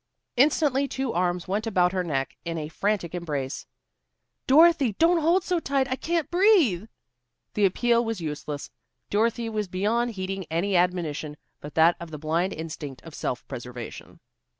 Instantly two arms went about her neck in a frantic embrace. "Dorothy, don't hold so tight. I can't breathe." The appeal was useless. Dorothy was beyond heeding any admonition but that of the blind instinct of self preservation.